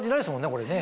これね。